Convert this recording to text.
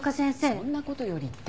「そんな事より」って！